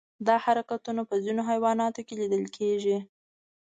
دا حرکتونه په ځینو حیواناتو کې لیدل کېږي.